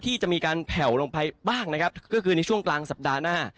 ที่จะมีการแผ่วลงไปบ้างนะครับก็คือในช่วงกลางสัปดาห์หน้า